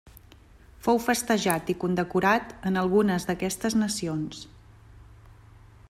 Fou festejat i condecorat en algunes d'aquestes nacions.